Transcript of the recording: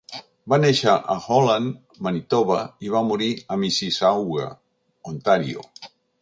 Va néixer a Holland, Manitoba, i va morir a Mississauga, Ontario.